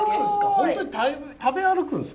本当に食べ歩くんですか？